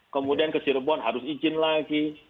kemudian ke cirebon harus izin lagi